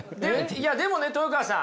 でもね豊川さん